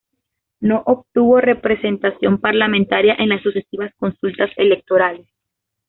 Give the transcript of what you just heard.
No obtuvo representación parlamentaria en las sucesivas consultas electorales.